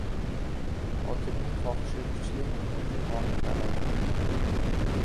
Hokimning xohishi kuchlimi yoki qonun talabi?